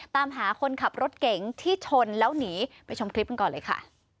ตามหาคนขับรถเก๋งที่ชนแล้วหนีไปชมคลิปกันก่อนเลยค่ะ